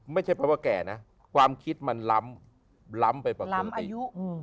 ไม่ใช่แปลว่าแก่นะความคิดมันล้ำล้ำไปประกงอายุ